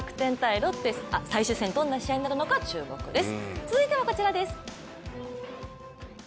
ロッテの最終戦どんな試合になるのか注目です。